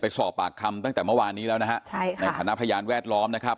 สอบปากคำตั้งแต่เมื่อวานนี้แล้วนะฮะใช่ค่ะในฐานะพยานแวดล้อมนะครับ